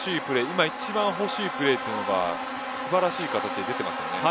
今一番欲しいプレーというのが素晴らしい形で出ていますよね。